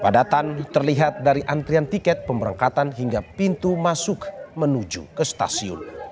padatan terlihat dari antrian tiket pemberangkatan hingga pintu masuk menuju ke stasiun